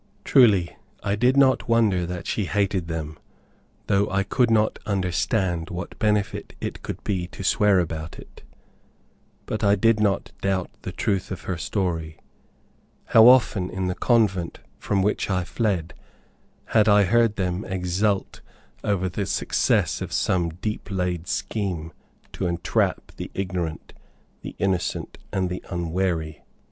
Truly, I did not wonder that she hated them, though I could not understand what benefit it could be to swear about it; but I did not doubt the truth of her story. How often, in the convent from which I fled, had I heard them exult over the success of some deep laid scheme to entrap the ignorant, the innocent and the unwary!